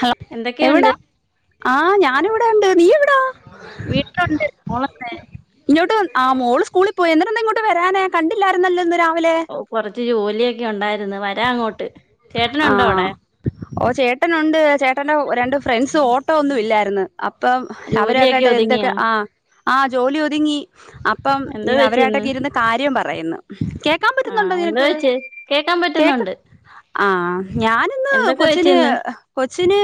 Hello എന്തൊക്കെയുണ്ട്? എവിടാ ആ ഞാനിവിടുണ്ട് നീ എവിടാ വീട്ടുണ്ട് മോളന്നെ ഇങ്ങോട്ട് വന്ന്- ആ മോള് സ്കൂളിൽ പോയി എന്നിട്ടെന്ത ഇങ്ങൊട്ട് വരാഞ്ഞേ കണ്ടില്ലാരുന്നല്ലന്ന് ഓ കൊറച്ച് ജോലിയൊക്കെ ഉണ്ടായിര് ന്ന് വരാ അങ്ങോട്ട് ചേട്ടനുണ്ടോ ആഹ അവിടെ? ഓ ചേട്ടനു ണ്ട് ചേട്ടന്റെ രണ്ട് ഫ്രണ്ട്സ് ഓട്ടോ ഒന്നും ഇല്ലാര്ന്നു അപ്പം ജോലിയൊക്കെ അവരൊക്കൊയിട്ട് ഒതുങ്ങിയാ? എന്തൊക്കെ ആ് ആ ജോലി ഒതുങ്ങി അപ്പം എന്തോ വെച്ച് ഇന്ന്? അവരട്ടൊക്കെ ഇരുന്ന് കാര്യം പറയുന്നു കേക്കാൻ പറ്റുന്നുണ്ടോ ആഹ് എന്തോ നിനക്ക് വെച്ച്? കേക്കാൻ കേക്ക് പറ്റുന്നുണ്ട്. ആ ഞാനിന്ന് എന്തൊക്കെ വെച്ച് കൊച്ചിന് ഇന്ന്? കൊച്ചിന്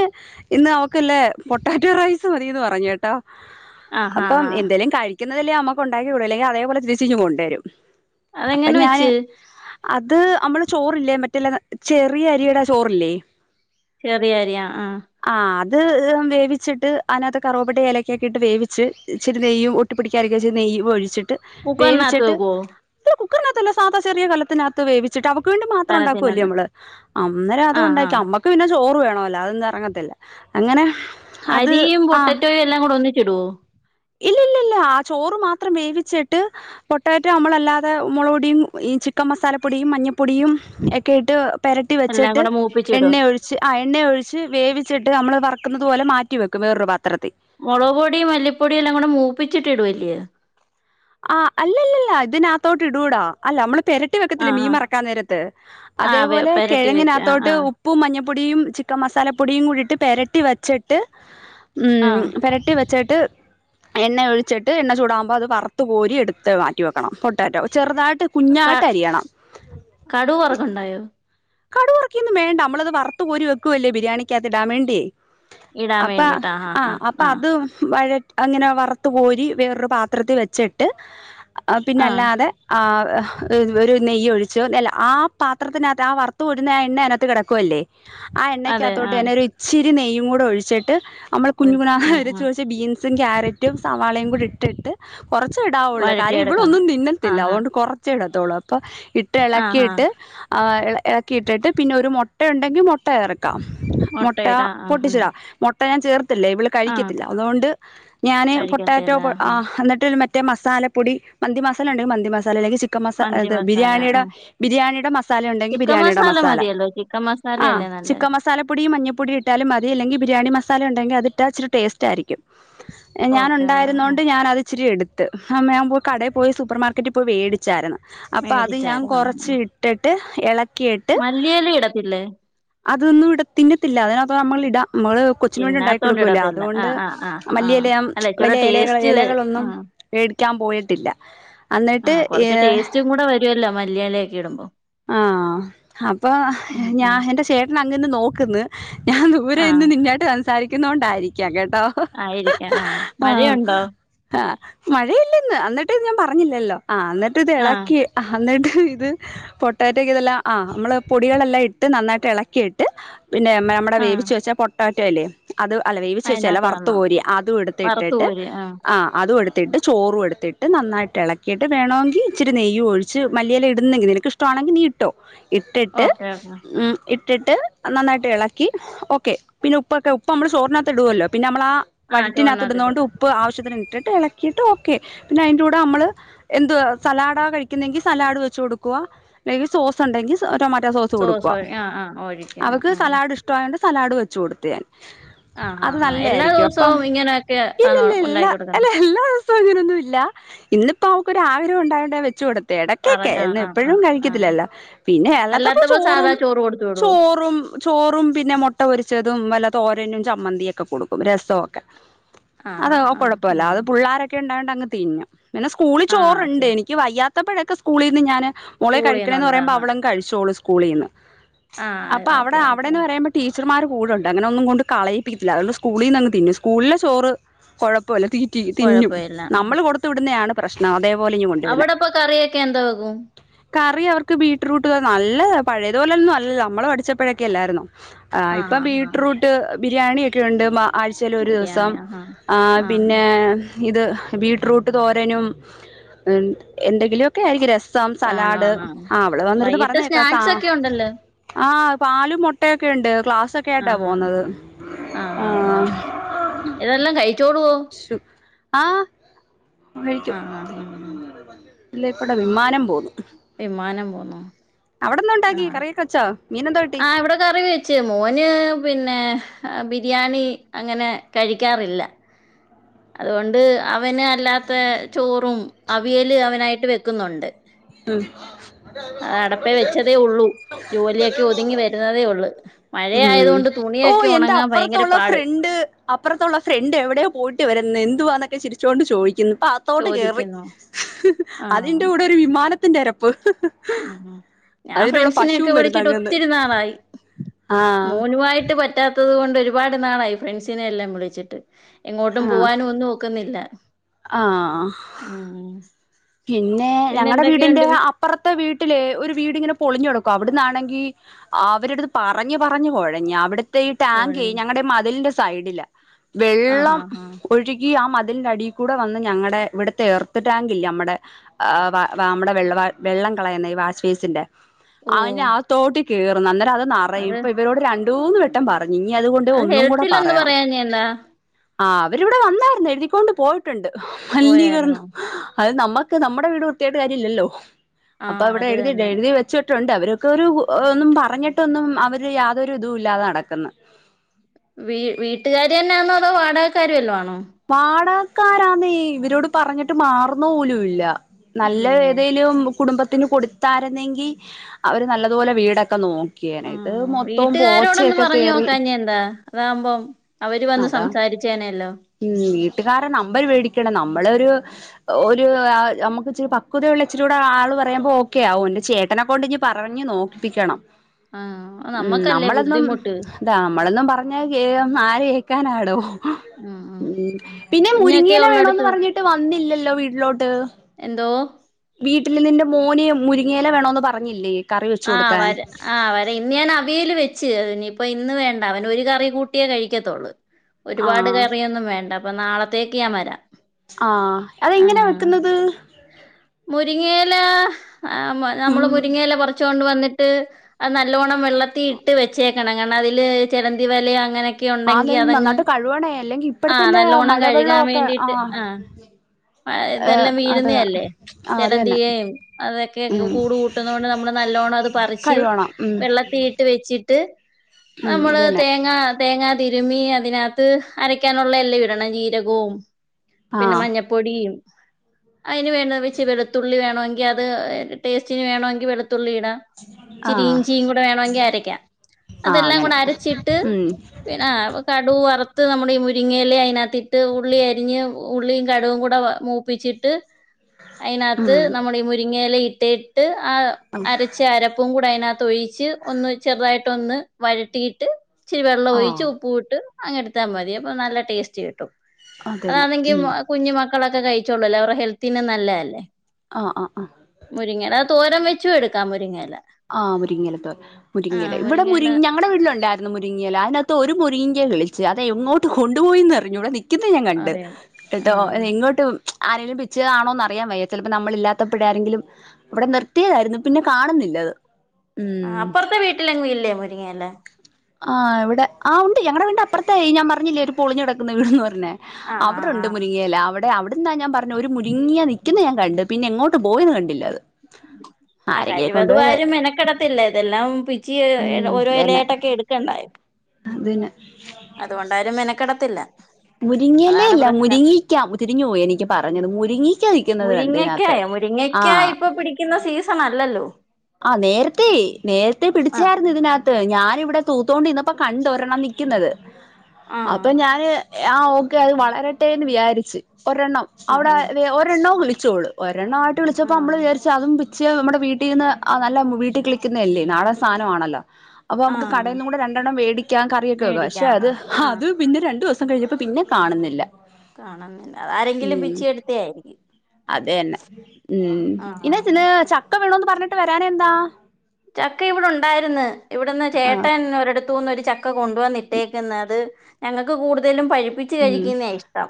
ഇന്ന് അവക്കല്ലേ പൊട്ടാറ്റോ റൈസ് മതിന്ന് പറഞ്ഞു കേട്ടോ ആഹ് ഹാ അപ്പം ഹാ. എന്തേങ്കലും കഴ ഇിക്കുന്നല്ലേ നമു ഉണ്ടാക്കി വിൂ അല്ലെങ്ക അതേപലെ തിരിച്ച് ഇ കൊണ്ടരും അതെങ്ങനെ വെച്ച് അത് നമ്മള് ചോറില്ലേ മറ്റല്ല ചെറിയ അരിയുടെ ചോറില്ലേ ശരിറിയാ ആഹ ആഹ് അത് വേവിച്ചിട്ട് അതിനകത്ത് കറവപപ്പെട്ട ഏലക്കിട്ട് വേവിച്ച്ിരി നെയ്യും ഒട്ടി പിടിക്കാൊക്ക ചച്ച നെയ്യ് ഒഴിച്ചിട്ട് കുക്കറിനകത്ത് വേവിച്ചിട്ട് വെക്കുവോ? കുക്കനകത്തല്ല സാ ചറിയ കലത്തിനകത്ത് വേവിച്ചട്ട് അവക്ക് വണ്ട മാത്രം ഉണ്ടാക്കുവല്ലേ കലത്തിനകത്ത്. നമ്മള് അന്നേരം അത് ആഹ് ഉണ്ടാക്കി ആഹ്. അമ്മക്ക് പിന്നെ ചോറ് വേണല്ലോ അതൊന്നും ഇറങ്ങത്തില്ല അങ്ങനെ അത് അരിയും പൊട്ടറ്റോയും എല്ലാം കൂടെ ഒന്നിച്ചിടുവോ ഇല്ല ഇല്ല ചോറ് മാം വേവിച്ചിട്ട് പൊട്ടറ്റോ നമ്മളല്ലാ ച മസാല പൊടിയും മഞ്ഞപ്പൊടിയും ഒക്കെ ഇട്ട് പരട്ടി എല്ലാം വെച്ചിട്ട് കൂടെ മൂപ്പിച്ചിടോ? എണ്ണയ ഒഴിച്ച് ആ എണ്ണയ ഒഴിച്ച് വേവിച്ചിട്ട് നമ്മൾ വക്കുന്നത് പോലെ മാറ്റി വെക്കും വേറരുാ മുളക് പൊടിയും മല്ലിപ്പൊടിയും എല്ലാം കൂടെ മൂപ്പിച്ചിട്ട ഇടുംല്ലയേ ആ് അല്ലല്ലല്ല ഇതിനകത്തോട്ട് ഇടൂടാ അല്ല നമ്മള് പെരട്ടി വെക്കത്തില്ല ആഹ് മീൻ ആഹ്. മറക്കാൻ നേരത്ത് ആഹ് വെ അതേപോലെ പെരട്ടി വെച്ച്. ആഹ് കിഴങ്ങിനകത്തോട്ട് ആഹ്. ഉപ്പും മഞ്ഞ പൊടിയും ചിക്കൻ മസാല പൊടിയും കൂടിട്ട് പരട്ടി വെച്ചിട്ട് ഉ ആഹ്. പരട്ടി വെച്ചിട്ട് ് എണ്ണ ഒഴിച്ചിട്ട് എണ്ണ ചൂടാകുമ്പോ അത് വറത്ത്ു കോരി എടുത്ത് മാറ്റിവ വെക്കണം പൊട്ടാറ്റോ ചെറുതായിട്ട് ക കുഞ്ഞായിട്ട് അരിയണം കടുക് വറക്കുണ്ടായോ? കടുക് വറക്കിന്ന വേണ്ടമ്മളത് വറു പോ വെക്ക അല്ലേ ബിരിയാണിക്കകത്തി ഇടാ വേണ്ടേ അപ്പ ആ അപ്പ അത് വഴ അങ്ങനെ വറത്തു പോരി വേറൊരു പാത്രത്തിൽ വെച്ചിട്ട് ആ പിന്നല്ലാതെ ആ ഒരു നെയ്യ് ഒഴിച്ചു അല്ല ആ പാത്രത്തിനകത്ത് ആ വറത്തു പടുന്ന എണ്ണ അതിനകത്ത് കിടക്കുവല്ലേ ആ അതെ ആ എണ്ണയ്ക്കകത്തോട്ട് ഞാനൊ ഒരു ഇച്ചിരി നെയ്യും കൂടെ ഒഴിച്ചിട്ട് ട്ട് നമ്മൾ ഒരു ആ ആ കുഞ്ഞുണോച്ച് ബീൻസും കക്യാരറ്റും സവാളയും കൂടി ഇട്ടിട്ട് കുറച്ച ഇടാവുള്ളൂ കാര്യം വഴറ്റിയെടുക്കണം ഇവിടെൊന്നും ആ നിന്നത്തില്ല ആ അതുകൊണ്ട് കുറച്ച ഇടത്തുള്ളൂ അപ്പൊ ഇട്ട് ആ ആ ഇളക്കിയിട്ട് ഇളക്കിയിട്ടിട്ട് പിന്നെ ഒരു മുട്ട ഉണ്ടെങ്കിൽ മുട്ട ഇറക്കും മുട്ട മുട്ടയിടാം ആ ആ പൊട്ടിച്ചുട മുട്ട ഞാൻ ചേർത്ത് ല്ല ഇവ ആ കഴിക്കത്തില്ല അതുകൊണ്ട് ഞാന് പൊട്ടാറ്റോ കഴിക്കത്തില്ല ആ ആ എന്നിട്ട മറ്റ മസാല പൊടി മന്തി മസാല ഉണ്ടെങ്കിൽ മസാല മന്തി അല്ലെിൽിക്ക മസാല ബിരിയാണിയുടെ ആ ബിരിയാണിയുടെ മസാല ഉണ്ടെങ്കിൽ ചിക്കൻ ബിരിയാണിയുടെ മസാല മതിയല്ലോ ചിക്കൻ ആ മസാലയല്ലേ നല്ലത് ചിക്കൻ മസാല പൊടിയ മഞ്ഞപ്പൊട ഇട്ടാലും മതി അല്ലെങ്കിൽ ബിരിയാണി മ െ അച്ചരി ടേസ് ആയിരിക്ക ഞ ഓക്കെ ആ ആ ഉണ്ടണ്ട് ഇച്ചിരി എടുത്ത് അമ്മ കുമ്പോൾ കടയിൽ പോയി സൂപ്പർ മാർക്കറ്റിൽ പോയി മേടിച്ചായിരുന്നു അപ്പൊ അത് ഞാൻ മേടിച്ചായിരുന്നു കൊറച്ച് ഇട്ടിട്ട് ഇള മല്ലിയയില ഇടത്തില്ലേ അതൊന്നും ഇടത്തിന്റെത്തില്ല അതിനകത്ത് നമ്മൾ ഇട നമ്മള് കൊച്ചിന വേണ്ടി ഉണ്ടാക്കി തിന്നാത്തോണ്ട് കൊടുക്കില്ല ഇടത്തില്ല ആ അതുകൊണ്ട് ആ ആ ആ മല്ലിയലയാം അല്ല ഇച്ചിരൂടെ വലിയ ഇലകൾ ടേസ്റ്റ് ആ ഇലകളൊന്നും മേടിക്കാൻ പോയിട്ടില്ല ആ എന്നിട്ട് കുറച്ച് ഏർ ടേസ്റ്റും കൂടെ വരുമല്ലോ മല്ലിയിലയൊക്കെ ഇടുമ്പോ ആഹ അപ്പൊ ഉം ഞാൻ ഉം എറെ ചേട്ടൻ അങ്ങങ്ന്ന് നോക്കന്ന് ഞാൻ ദൂരെ ആ ഇന്ന് നിന്നോട്ട് സംസാരിക്കുന്ന കൊണ്ടായിരിക്കും കേട്ടോ ആയിരിക്കാം ആ മഴയുണ്ടോ ആ മഴയില്ലന്ന് എന്നിട്ട് ഞാൻ പറ പറഞ്ഞില്ലല്ലോ ന്നിട്ട് ഇത് ആ ഇളക്കി ആട്ട് ഇത് പൊ പൊട്ടേറ്റക്ക ഇതെല്ലാം ആ നമ്മൾ പൊടികളെല്ലാം ഇട്ട് നന്നട്ട് ഇളക്കിയിട്ട് പിന്നെ നമ്മുടെ ആഹ് വേവിിച്ചച്ച് വെച്ചാൽ പ റ്റ അല്ലേ അത് അല വേവ ശേച്ചല്ല അയിനാത്ത് വറുപ കാണണം പോരി അതും വറുത്ത് എടുത്തിട്ടിട്ട് കോരി ആഹ് ആ് അതും എടു ത്തിട്ട് ചോറും എടുത്തിട്ട് നന്നായിട്ട് ഇളക്കിയിട്ട് വേണമെങ്കിൽ ഇച്ചിരിെയ്യ് ഒഴച്ച് മല്ലിയയിൽ ഇടുന്നെങ്കിൽ നിനക്ക് ഇ ആണെങ്കിൽ നീ ഇട്ടോ ഇട്ടിട്ട് ഓക്കെ ഓക്കെ ട്ട് നന്നായിട്ട് ഇളക്കി ഓക്കെ പിന്നെ ഉപ്പൊക്കെ ഉപ്പ് നമ്മള് സ്ർണ്ണകത്ത് ഇടുല്ലോ പിന്നെ നമ്മ ആഹ് വഴറ്റിനകത്ത് ചോറിനകത്ത് ഇടുന്ന ഇടും കൊണ്ട് ഉപ്പ് ആവശ്യത്തിന് ഇട്ടിട്ട് ഇളക്കിയിട്ട് ഓക്കെ പിന്നെ അതിന്റെ കൂടെ നമ്മള് എന്ത്തു സലാഡാ കഴിക്കുന്നെങ്കിൽ സലാഡ് വെച്ച് കൊടുക്കുക അല്ലെങ്കിൽ സോസ് ഉണ്ടെങ്കിൽ സോ സോസ് കൊടുക്കുവ ഒഴി ആഹ് ആഹ് ഒഴിക്ക അവക്ക് ആഹ് സലാഡ് ഇഷ്ടയോണ്ട് സലാഡ് വെച്ച് കൊടുത്ത ാൻ ആഹ് ആഹ് അത് ആഹ് ആഹ് നല്ല എല്ലാ ആായിരിക്കും അപ്പം ദിവസവും ഇങ്ങനെയൊക്കെ ആണോ ഇല്ലല്ല ഇല്ല ഉണ്ടാക്കി കൊടുക്കുന്നെ അല്ല എല്ലാ അങ്ങനൊന്ന ഇല്ല ഇന്നിപ്പോൊ അവക്കൊ ആഗ്രഹ ഉണ്ടാവണ്ട വെച്ചുക കൊടുത്ത ഇടക്കൊക്കെ പറഞ്ഞ ആഹ് എന്ന് ആഹ് എപ്പോഴും ആഹ് കഴ ആഹ് ല്ലല്ല പിന്നെ അല്ലാത്തപ്പ അല്ലാത്തപ്പോ ചോറും സാധാ ചോറ് കൊടുത്തു വിടുവോ ചോറും ചോറും പിന്നെ മുട്ട പൊരിച്ചതും വല്ല തോരനും ചമ്മന്തിൊക്കെ കൊടുക്കും രസമൊക്കെ ആഹ് അത് ആഹ് ആഹ് കുഴപ്പല്ല ഉം അത് പിള്ളാരൊക്കെ ഉണ്ട ണ്ടങ്ങ് തിന്നു പിന്നെ സ്കൂളിൽ ആഹ് ചോറുണ്ട് ശരി എനിക്ക് വയ്യാത്തപ്പോഴൊക്കെ സ്കൂളിൽ നിന്ന് ഞാാന് മോളെ കഴിക്കണന്ന് സ്കൂളീന്നുണ്ട് പറയുമ്പോ ആഹ് അവള കഴിച്ചോളൂ സ്കൂളീന്ന് ആഹ് അപ്പ അടെ ഓക്കെ ഓക്കെ അവിടെന്ന് പറയ്പോ ടച്ചർമാർ കൂടെ ഉണ്ട് അങ്ങെ ഒന്നും കൊണ്ട് കളയിപ്പിക്കില്ലല്ലതുകണ്ട് സ്കൂളിൽ നിന്ന്ങ് തിന്നു സ്ൂളിലെ ചോറ് കുഴപ്പം ലെ തീറ്റ തിന്നും കൊഴപ്പവില്ല നമ്മൾ കൊടുത്തുവിടുന്നതാണ് പ്രശ്നം അതേപോ അവിടെപ്പൊ കറിയൊക്കെ എന്താ ആകും കറി അവർക്ക് ബീറ്റ്റൂട്ട് ത നല്ലത് പഴയത്പലന്നും അല്ല നമ്മള പഠിച്ചപ്പോഴക്കെല്ലായിുന്നോ ആ് ആഹ് ഇപ്പം ആഹ് ആഹ് ബീടറൂട്ട് ബിരിയാണി ഒക്കെ ഉണ്ട് ആഴ്ചേൽ ഒരു ദിസം ബിരിയാണി ആഹ് ആഹ് ആ ആഹ് പിന്നെ ഇത് ബീടറൂട്ട് തോരനും എന്തെങ്കിലുക്കെ ആരിക്കും രസ സം കാണും സലാഡ് ആഹ് ആഹ് ആ അവള് വന്നിർന്ന് വൈകിട്ട് പറഞ്ഞേക്കാം സ്നാക്സ് സം ഒക്കെ ഉണ്ടല്ലോ ആ പാലും മുട്ടയൊക്കെ ഉണ്ട് ക്ലാസ്സൊക്കെ ആായിട്ടാ ആഹ് ആഹ് പോകുന്നത് ആഹ് ആ ആഹ് ആഹ് ഇതെല്ലാം കഴിച്ചോടുവോ ശു ആ ആ കഴിക്കും ആ ആ ഇല്ല ഇപ്പടെ വിമാനം പോന്നു വിമാനം പോന്നോ അവിടെന്ന ഉണ്ടാക്കി കറിയകെവെച്ചോ ആ ഇവടെ കറി വെച്ച് മോന് പിന്നെ ആ ബിരിയാണി അങ്ങനെ കഴിക്കാറില്ല അതുകൊണ്ട് അവന് അല്ലാത്ത ചോറും അവിയല് അവനായിട്ട് വെക്കുന്നുണ്ട് അത് അടപ്പേ വെച്ചതേ ഉള്ളൂ ജോലിയൊക്കെ ഒതുങ്ങി വരുന്നതേ ഉള്ള് ഉ. ഓ എന്റെ ഭയങ്കര അപ്പുറത്തുള്ള പാട് ഫ്രണ്ട് അപ്പുറത്തുള്ള ഫ്രണ്ട് എവിടെയോ പോയിട്ട് വരുന്ന ചരിചോണ്ട് ചോദിക്കുന്നു പ്പോ അഗത്തോട്ട് കേറി, ചോദിക്കുന്നു അതിന്റെ ആഹ് കൂടെ ഒരു വിമാന ത്തിന്റെരപ്പ് [unintelligible] ഞാൻ ഫ്രണ്ട്സിനൊക്കെ വരുന്നു വിളിച്ചിട്ട് അങ്ങന്ന് ഒത്തിരിനാളായി ആഹ് മോനുമായിട്ട് പറ്റാത്തത് കൊണ്ട് ഒരു ഒരുപാട് നാളായി ഫ്രണ്ട്സിനെ എല്ലാം വിളിച്ചിട്ട് എങ്ങോട്ടും പോവാനും ഒന്നും ഒക്കുന്നില്ല ആ ഹ് ഉം പിന്നെ പിന്നെ ഞങ്ങളടെ വീടിന്റെ എന്തൊക്കെയുണ്ട് വി അപ്പുറത്തെ വീട്ടില് ഒരു വീടിങ്ങനെ പൊളിഞ്ഞു കെടക്കു അവിടന്നാണെങ്കിൽ അവരടത് പറഞ്ഞ് പറഞ്ഞ് കുഴഞ് അവിടെ ഈ ടാങ്കക് ഞങ്ങളുടെ മതിലിന്റെ സൈഡില ആഹ് വെള്ളം ആഹ് ആഹ് ഒഴുകി ആ മ അതിന്റെ അടീകൂടെ വന്ന് ഞങ്ങടെ ഇവിടുത്തെ എർത്ത് ടാങ്കില്ലേ നമ്മുടെ നമ്മുടെ വെള്ള വെള്ളം കളയുന്ന ഈ വാശ്പേസിന്റെ ഓ ആ തോട്ടി കേറുന് അന്നേരം അത് നിറയും, ഇപ്പൊ ഇവരോട് രണ്ട് മൂന്ന് വെട്ടം പറ ഇനി അതുകൊണ്ട് അത് ഒന്നും കൂടെ ഹെൽത്തിലൊന്ന് പറയണം പറയാഞ്ഞെന്താ ആ അവരിവിടെ വന്നായിരുന്നു എഴുതിക്കൊണ്ട് പോയിട്ടുണ്ട് മലിനീകരണം പോയായിരുന്നോ അത് നമ്മക്ക് ക്ക് നമ്മുടെ വീട് വൃത്തിയിട്ട് കാര്യല്ലല്ലോ അപ്പൊ ആഹ് അവിടെ അത് എഴുതി തന്നെ എഴുതി വെച് ണ്ട് അവരൊക്കെ ഒരു ഒന്നും പറഞ്ഞിട്ടൊന്നും അവര് യാതൊരു ഇതും ഇല്ലാതെ നടക്കുന്ന് വ വീട്ടുകാര് തന്നെയാന്നോ അതോ വാടകക്കാര് വല്ലോ ആണോ വാടകക്കാരാന്നേ ഇവരോട് പറഞ്ഞിട്ട് മാറുന്ന പോലുല്ല ഇല്ലേ നല്ലതേതെലും കുടുംബ കൊടുത്താരുന്നെങ്കി അവര് നല്ലതോലെ വീടൊക്കെ നോ [inaudible] ഇത് ആഹ് മൊത്തവും വീട്ടുകാരോടൊന്ന് പോച്ചയൊക്കെ പറഞ്ഞു കേറി നോക്കാഞ്ഞെന്താ അതാവുമ്പം അവര് വന്ന് അതാ സംസാരിച്ചേനല്ലോ ഉ വീട്ടുകാരെ നമ്പര് മേടിക്കണം ന നമ്മള ഒരു, ഒരു നമുക്ക് ഇച്ചിരി പക്വതയള്ള ഇച്ചരി കൂടെ ആൾ പറയുമ്പോ ഓക്കെ ആവും എന്റെ ചേട്ട എന്നെക്കൊണ്ട് ഇഞ് പറഞ്ഞ് നോക്കിപ്പിക്കണം ആഹ് ഉം നമ്മക്കല്ലേ നമ്മളൊന്നും ബുദ്ധിമുട്ട് നമ്മളന്നും പറ [unintelligible] ആര് കേക്കാനാടോ ആഹ് ഉ പിന്നെ കുഞ്ഞൊക്കെ മുരിങ്ങയില വേണോന്ന് ഉള്ളടത്ത് പറഞ്ഞിട്ട് വന്നില്ലല്ലോ വീട്ടിലോട്ട് എന്തോ വീട്ടിൽ നിന്റെ മോന് മുരിങ്ങേല വേണോന്ന് പറഞ്ഞില്ലേ കറി വെച്ചു ആഹ് കൊടുക്കാൻ വര ആഹ് വരാ ഇന്ന് ഞാൻ അവിയൽ വെച്ച നിയിപ്പ ഇന്ന് വേണ്ട അവൻ ഒരു കറി കൂട്ടിയേ കഴിക്കതൊള്ളൂ ഒരുപാട് ആഹ് കറിയൊന്നും വേണ്ട അപ്പൊ നാളത്തേക്ക് ഞാൻ വരാം ആഹ് അതെങ്ങനാ ആഹ് വെക്കുന്നത് മുരിങ്ങയില നമ്മള് ഉം മുരിങ്ങയില കൊ [unintelligible] വന്നിട്ട് അത് നല്ലോണം വെള്ളത്തി ഇട്ട് വെച്ചേക്കണം കാരണം അതില് ചെലന്തി വലയൊ അങ്ങനെ ആത് ഉണ്ടെങ്കി അതങ് നന്നായിട്ട് കഴുവണേ അല്ലെങ്കി ആ ഇപ്പഴത്തെല്ലേ നലോണം കഴുകാൻ മഴവെള്ളമൊക്കെ വേണ്ടീട്ട് ആഹ് ആ ഏഹ് ഇതെല്ലാം അതെ വീഴുന്നല്ലേ ആഹ് അത് തന്നെ ചലന്തിയെയും അതൊക്കെ ഉം കൂട് കൂട്ടുന്നൊണ്ട് നമ്മള് നല്ലോണം അത് പററിച്ച് കഴുവണം ഉം വെള്ളത്തിീട്ട് വെച്ചിട്ട് ഉം നമ്മള് അത് തന്നെ തേങ്ങാ തേങ്ങാ തിരുമി അതിനകത്ത് അരക്കാനുള്ള എല്ലാം ഇടണം ജീരകവും പിന്നെ ആഹ് മഞ്ഞപ്പൊടി അതിന് വേണ വെച്ചച്ച് വെളുത്തുള്ളി വേണമെങ്കിൽ അത് ടേസ്റ്റിന് വേണമെങ്കിൽ വെളുത്തുള്ളി ഇടാ ചിരി ആഹ് ഇഞ്ചിയ കൂടെ വേണമെങ്കിൽ ആരൊക്കാ ആഹ് അതെല്ലാം അങ്ങനെ കൂടെ അരച്ചിട്ട് ഉം പിന്നെ കടുവ വറ ത്ത് നമ്മുടെ ഈ മുരിങ്ങയില അതിനകത്തിട്ട് ഉള്ളി അരിഞ്ഞ് ഉള്ളിയും കടും കൂടെ മൂപ്പിച്ചിട്ട് അതിനകത്ത് ഉം നമ്മൾീഈ മുരിങ്ങയില ഇട്ട ഇട്ട് ആ ആഹ് അരച്ച അരപ്പും കൂടെ അതിനകത്ത് തൊഴിച്ച് ഒന്ന് ചെറുതായിട്ട ഒന്ന് വരട്ടിയിട്ട് ഇിരി വെള്ളം ഒഴിച്ച് ആഹ് ഉപ്പ വിട്ട് അങ്ങ എടുത്താൽ മതി അപ്പൊ നല്ല ടേസ്റ്റ് കിട്ടും അതന്നെ അതാണെങ്കിൽ ഉം കുഞ്ഞ മക്ക മക്കളൊക്കെ കഴിച്ചോുള്ളൂല്ലേ അവരുടെെത്തിന് നല്ലേ ആഹ ആഹ ആഹ തോരം വെച്ചും എടുക്കാൻ മുരിങ്ങല്ല ആ് മുരിങ്ങലത്തോൽ മുരിങ്ങല ഇവിടെ മുരി മുരിങ്ങയില ഞങ്ങളടെ വീട്ടിലുണ്ട് മുരിങ്ങിയൽ അതിനകത്ത് ഒരു മുങ്ങിയ കളിച്ച് അതെ എങ്ങോട്ട് കൊണ്ടുപോയി എ അറിഞ്ഞൂടെ നി മിക്കുന്ന ഞാൻ കണ്ട് അറിയാം കേട്ടോ എങ്ങോട്ടും ആരെേങ്കിലും പിിച്ച കാണോന്ന് അറിയാൻ വയ്യ ചിലപ്പോ നമ്മള ഇല്ലാത്തപ്പോഴ ആരെങ്കിലും ഇവിടെ നിർത്തിയതായിരുന്നു പിന്നെ കാണുന്നില്ല അത് ആ ഉം അപ്പുറത്തെ വീട്ടിലെങ്ങും ഇല്ലേ മുരിങ്ങല്ലേ ആഹ് ഇവിടെ ആ ഉണ്ട് ഞടെ വീണ്ടണ്ട്പ്പുറത്തെേ ഞാൻ പറഞ്ഞില്ലേ ഒരു പളഞ്ഞുിക്കുന്ന വീട്ന്ന് പറഞ്ഞേ ആ ആ ആ അവിടെണ്ട് മുരിങ്ങിയല്ല അവിടെ അവിടെ അവിടന്നാ ഞാൻ പറഞ്ഞു ഒരു മുരുങ്ങിയാ നിൽക്കുന്ന ഞാൻ കണ്ട് പിന്നെ എങ്ങോട്ട് പോയന്ന് കണ്ടില്ല അത് ആ ആരെങ്കിലും കഴിവത് കൊണ്ടുപോയത് വാരും മനക്കിടത്തില്ല ഇതെല്ലാം കൊച്ചി ഓരോ ഇലട്ടൊക്കെ എടുക്കണ്ടായി അതന്െ അതുകൊണ്ടരും മെനക്കിടത്തില്ല മുരിങ്ങിയല്ലേ ഇല്ല മുരിങ്ങിക്ക മുതിരിഞ്ഞു പോയി എനിക്ക് പറഞ്ഞത് മുരിങ്ങിക്കാ നിൽക്കുന്നത് കണ്ടതിനകത്ത് ഇങ്ങനക്കാ ഇപ്പൊ പിടിക്കുന്ന സീസൺ അല്ലല്ലോ ആഹ നേരത്തെ നേരത്തെ ആഹ് പിടിച്ചായിരുന്നു ഇതിനകത്ത് ഞാാനിവിടെ തൂത്തോണ്ട് ഇന്നപ്പോ കണ്ട ഒരണം നൽക്കുന്നത് ആഹ് അപ്പൊ ഞാന് ആഹ് ഓക്കെ അത് വളരട്ടെ എന്ന് വിചാരിച്ചച്ച് ഒരെണ്ണം ആഹ് അവിടെ ആഹ് ഒരെണ്ണോ വിളിച്ചോളൂ രണ്ണം ആട്ട വിളിച്ചപ്പോ നമ്മള് ആഹ് വിചാരിച്ച അതും പിച്ച് നുടെ വീട്ടീിൽ നിന്ന് ആ നല്ല വീട്ടിൽ കിളിക്കുന്നത അല്ലേ നാടൻ സാധനമാണല്ലോ അപ്പൊ നമുക്ക് ആഹ് കടേന്നും കൂടെ രണ്ടെണ്ണം മേടിക്കാം കറിയൊക്കെ വെക്കാം മേടിക്കാ പക്ഷെ അത് ആഹ് ആഹ് അത് പിന്നെ രണ്ടു ദിവ സം കഴിഞ്ഞപ്പോൾ പിന്നെ കാണുന്നില്ല കാണുന്നില്ല അത് ആരെങ്കിലും ഉം പിച്ചി എടുത്ത ആരിക്കും അത് തന്നെ [unintelligible] ആഹ് ഇന്ന് ചക്ക വേണോന്ന് പറഞ്ഞിട്ട് വരാഞ്ഞ എന്താ ചക്ക ഇവിടെ ഉണ്ടായിരുന്ന് ഇവിടന്ന് ആ ചേട്ടൻ ഒരിടത്തൂന്ന് ഒരു ച ക്ക കൊണ്ട് വന്നിട്ടേക്കുന്നു അത് ഞങ്ങക്ക് കൂടുതലും പഴിപ്പിച്ച് കഴിക്കുന്നയാ ഇഷ്ടം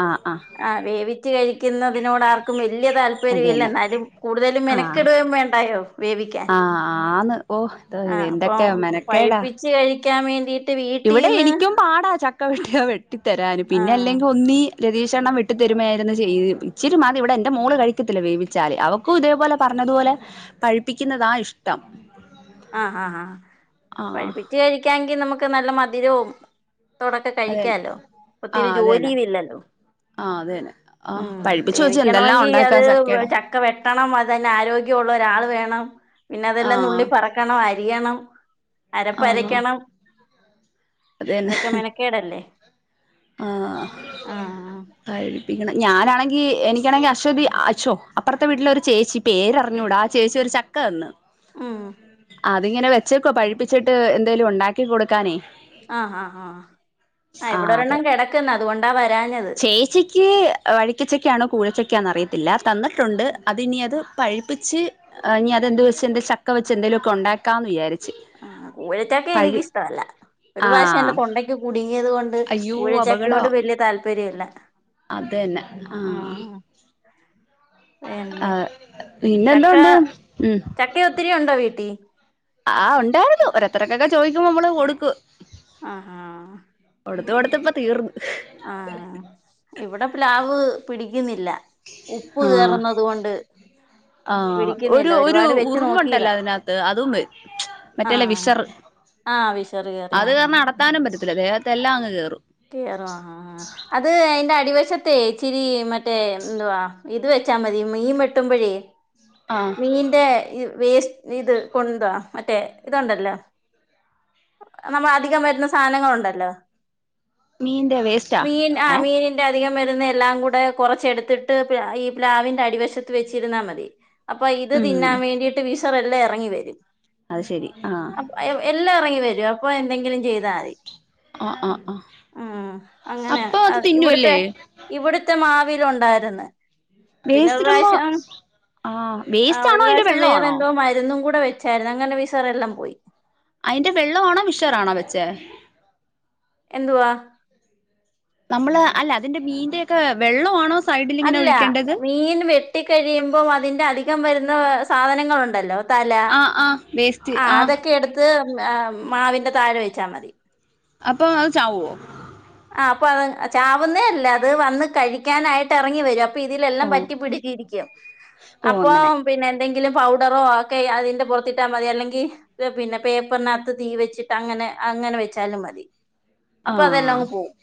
ആഹ് ആഹ് ആ വേവിച്ച് കഴിക്കുന്നതിനോട് ആർക്കും വല്ല്യ അത് താല്പര്യം ഇല്ല തന്നെ എന്നാലും കൂടുതലും ആ മെനക്കെടുവേം വേണ്ട വായോ വേവിക്കാൻ ആ ആന്ന് ഓ അപ്പോ എന്തൊക്കെ മെനക്കേടാ പഴുപ്പിച്ച് കഴി ക്കാൻ വേണ്ടീ ഇവിടെ എനിക്കും പാടാ ചക്ക വെട്ടിയാ വെട്ടിത്തരാന് പിന്നെ ആഹ് അല്ലെങ്കിൽ ഒന്നി രതീഷ് അണ്ണൻ വെട്ടി തരുമയായിരുന്നു ചെയ്ത് ഇച്ചിരി മതി ഇവിടെ എന്റെ മോള് കഴിക്കത്തില്ല വേവിച്ചാല് അവക്കും ഇതേപോലെ പറ ഞ്ഞത് പോലെ പഴുപ്പിക്കുന്നതാ ഇഷ്ടം ആഹ് ആഹ് ആഹ് ആഹ് പഴിപ്പിച്ച് കഴിക്കാങ്കിൽ നമുക്ക് നല്ല മധുരവും തോടൊക്കെ അതന്നെ കഴിക്കാലോ ഒത്തിരി ആഹ് അതന്നെ ജോലിയും ഇല്ലല്ലോ ആഹ് അതന്നെ ആഹ് ഉം പഴിപ്പിച്ചു വെച്ച് എന്തെല്ലാം വേവിക്കണമെങ്കിൽ അത് ഉണ്ടാക്കാ ചക്കേടെ ചക്ക വെട്ടണം അത് തന്നെ ആരോഗ്യവും ഉള്ള ഒരാള് വേണം പിന്നെ അതെല്ലാം ആഹ് നുള്ളി പെറക്കണം അരിയണം ആഹ് അരപ്പരക്കണം. അതന്നെ അതൊക്കെ മെനക്കേടല്ലേ ആഹ് ഞാനാണങ്കി എനിക്കാണങ്കി അശ്വതി അഷ്യോ അപ്പർത്തെ വീട്ടിലെ ഒരു ചേച്ചി പേര്റിഞ്ഞൂടാ ഒരു ച ചക്ക തന്ന് ഉം അതിങ്ങനെ വെച്ചേക്കുവാ പഴിപ്പിച്ചിട്ട് എന്തേലും ഉണ്ടാക്കി കൊടുക്കാനേ. ആഹ് ആഹ് ആഹ് ആ അത് ഇവിടെരെണ്ണം കേട ചേച്ചിക്ക് വഴിക്കച്ചക്ക ആണ് കൂടു ക്ക അറിയത്തില്ല തന്നിട്ടുണ്ട് അത് ഇനി അത് പഴിപ്പിച്ച് ഇനി അതെന്ത് വെച്ച് ചക്ക വെച്ച് ചന്തേലൊക്കെ ഉണ്ടാക്കാന്ന് വിചാരിച്ചു. ആ കുഴചക്ക എനിക്കിഷ്ടല്ല ഒരു പ്രാവശ്യം എൻ്റെ ആഹ് തൊണ്ടയ്ക്ക് കുടുങ്ങിയതോണ്ട് അയ്യോ കൂഴച്ചക്കയോട് വല്യാ താല്പര്യല്ല അതന്നെ ആഹ് പിന്നെ ആഹ് ചക്ക പിന്നെന്തോണ്ട് ചക്ക ഒത്തിരി ഉണ്ടോ വീട്ടി ആഹ് ഉണ്ടായിരുന്നു ഒരോരുത്തരൊക്കൊ ചോദിക്കുമ്പോ നമ്മള് കൊടുക്കു. ആഹ് ഹാ. കൊടുത്ത് കൊടുത്ത് ഇപ്പം തീർന്നു ആഹ് ഇവിടെ പ്ലാവ് പിടി ന്നില്ല ഉപ്പ് ആഹ് കേറുന്നത് കൊണ്ട് ആഹ് പിടിക്കുന്നില്ല ഒരു ഒരു ഒരുപാട് വെച്ച് നോക്കിയതാ ഉറുമ്പുണ്ടല്ലോ അതിനാത്ത് അതും വരും മറ്റല്ല ആഹ് വിഷർ ആഹ് വിഷറ് കേറി അത് ആഹ് കാരണം അടത്താനും പറ്റത്തില്ല ദേഹത്തെല്ലാം അങ്ങ് കേറും. അത് അതിന്റെ അടിവശ റ്റേ ഇച്ചിരി മറ്റേ എന്തുവാ ഇത് വെച്ചാ മതി മീ വെട്ടുമ്പോഴേ ആഹ് മീന്റെ വേസ്റ്റ് ഇത് കൊ [unintelligible] മറ്റേ ഇതൊണ്ടല്ലോ. നമ്മ അധികം വരുന്ന സാധനങ്ങുണ്ടല്ലോ. മീന്റെ വേസ്റ്റാ മീൻ ആ ഏഹ് മീനിന്റെധികം വരുന്ന എല്ലാം കൂടെ കുറചെടുത്തിട്ട് ഈ പ്ലാവിന്റെ അടിവശത്ത് വെച്ചിരുന്നാ മതി. അപ്പൊ ഇത് ഉം തിന്നാൻ വേണ്ടിയിട്ട് വിശർ എല്ലാം ഇറങ്ങി വരും. അത് ശരി ആഹ് എല്ലാം ഇറങ്ങി വരൂ അപ്പൊ എന്തെങ്കിലും ചെയ്താ മതി. ആഹ് ആഹ് ആഹ് ഉം അങ്ങനെ അപ്പൊ അത് ഇവിട്ത്തെ തിന്നുവല്ലേ ഇവിട്ത്തെ മാവിലുണ്ടായിരുന്ന്. പിന്നെ ഒരു വേസ്റ്റിടുമ്പോ പ്രാവശ്യം ആഹ് ആ ഒരു വേസ്റ്റാണോ അതിന്റെ പ്രാവശ്യം വേറെ വെള്ളവാണോ എന്തോ മരുന്നും കൂടെ വ വച്ചായിരുന്നു അങ്ങനെ വിശറെല്ലാം പോയി. അയിന്റെ വെള്ളവാണോ വിഷാറാണോ വെച്ചേ? എന്തുവാ? നമ്മള് അല്ല അതിന്റെ മീന്റെക്കെ വെള്ളവാണോ സൈഡിലിങ്ങനെ അല്ല ഒഴിക്കേണ്ടത് മീൻ വെട്ടിക്കഴിയുമ്പോ അതിന്റെ അധികം വരുന്ന സാധനങ്ങളുണ്ടല്ലോ. തല ആഹ് ആഹ് വേസ്റ്റ് ആ ആഹ് അതൊക്കെ എടുത്ത് മാവിന്റെ താഴെ വെച്ചാ മതി. അപ്പൊ അത് ചാവോ? അപ്പൊ അ ചാവുന്നേ അല്ല അത് വന്ന് കഴിക്കാനായിട്ട് ഇറങ്ങി വരും ഇതിലെല്ലാം ഓഹ് പറ്റി പിടിച്ചരിക്കും ഓഹ് അപ്പോ അങ്ങനെ പിന്നെ എന്തെങ്കിലും പൗഡറോ ഒക്കെ അതിന്റെ പുറത്തിട്ടാൽ മതി അല്ലെങ്കിൽ പിന്നെ പേപ്പറിനാത്ത് തീ വച്ചിട്ട് അങ്ങനെ അങ്ങനെ വെച്ചാലും മതി അപ്പൊ അതെല്ലാം ആഹ് അങ്ങ് പോകും